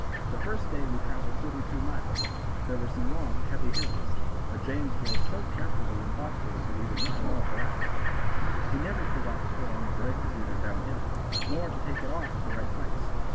The first day we traveled thirty two miles. There were some long, heavy hills, but James drove so carefully and thoughtfully that we were not at all harassed. He never forgot to put on the brake as we went downhill, nor to take it off at the right place.